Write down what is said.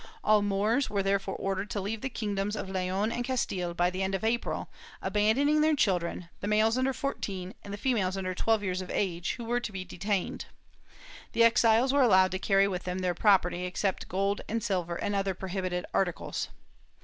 All Moors were therefore ordered to leave the kingdoms of Leon and Castile by the end of April, abandoning their children, the males under fourteen and the females under twelve years of age, who were to be detained. The exiles were allowed to carry with them their property, except gold and silver and other prohibited articles.